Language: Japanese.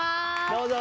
どうぞ。